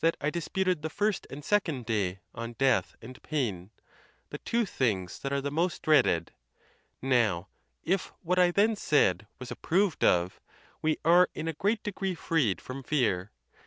I disputed the first and second day on death and pain—the two things that are the most dreaded: now, if what I then said was ap proved of, we are in a great degree freed from fear.